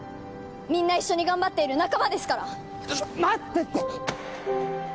みんな一緒に頑張っている仲間ですからちょ待ってって！